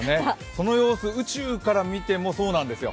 その様子、宇宙から見てもそうなんですよ。